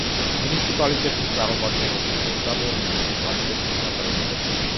მუნიციპალიტეტის წარმომადგენლობითი ორგანოა მუნიციპალიტეტის საკრებულო.